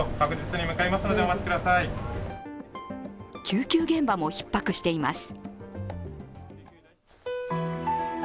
救急現場もひっ迫しています。